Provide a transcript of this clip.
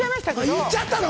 言っちゃったの？